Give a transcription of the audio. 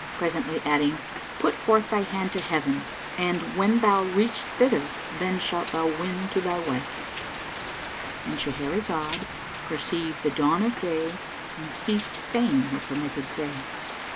presently adding, "Put forth thy hand to heaven and when thou reach thither, then shalt thou win to thy wife.—And Shahrazad perceived the dawn of day and ceased saying her permitted say.